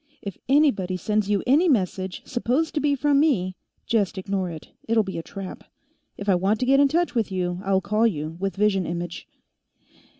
If anybody sends you any message supposed to be from me, just ignore it. It'll be a trap. If I want to get in touch with you, I'll call you, with vision image."